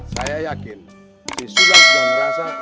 saya yakin di sulam sudah merasa